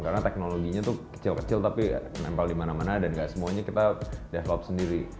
karena teknologinya tuh kecil kecil tapi nempel dimana mana dan gak semuanya kita develop sendiri